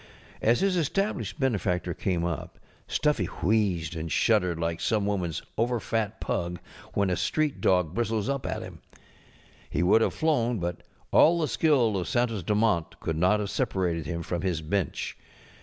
As his established benefactor came up Stuffy wheezed and shuddered like some womanŌĆÖs over fat pug when a street dog bristles up at him. He would have flown, but all the skill of Santos Dumont could not have separated him from his bench.